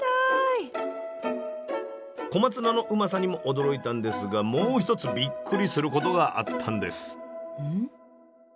スタジオ小松菜のうまさにも驚いたんですがもう一つびっくりすることがあったんです。